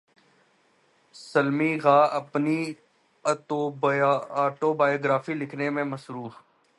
سلمی غا اپنی اٹوبایوگرافی لکھنے میں مصروف